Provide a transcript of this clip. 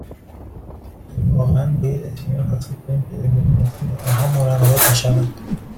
که واقعاً باید اطمینان حاصل کنیم که در بیمارستان از آنها مراقبت میشود